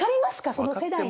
その世代に。